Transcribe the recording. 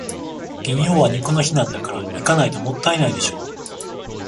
金曜は肉の日なんだから、行かないともったいないでしょ。